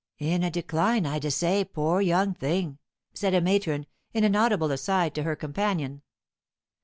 "In a decline, I dessay, pore young thing," said a matron, in an audible aside to her companion.